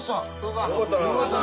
よかったな。